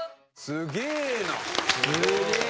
すげえ。